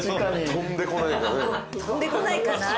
飛んでこないかな。